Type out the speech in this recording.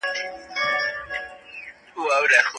الله جل جلاله اياتونه قرآن کريم ته منسوب کړل.